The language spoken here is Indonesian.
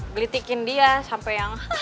belitikin dia sampai yang